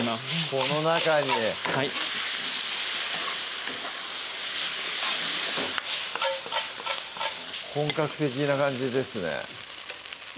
この中にはい本格的な感じですね